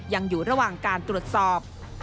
ยังอยู่ระหว่างการตรวจสอบ